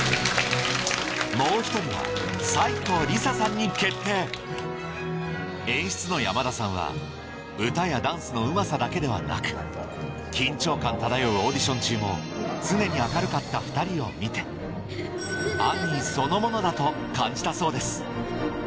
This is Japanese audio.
もう１人はに決定演出の山田さんは歌やダンスのうまさだけではなく緊張感漂うオーディション中も常に明るかった２人を見てアニーそのものだと感じたそうです